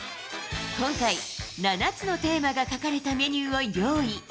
今回、７つのテーマが書かれたメニューを用意。